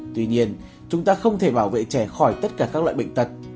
tuy nhiên chúng ta không thể bảo vệ trẻ khỏi tất cả các loại bệnh tật